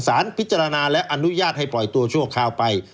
สารพิจารณาและอนุญาตให้ปล่อยตัวชั่วคราวไป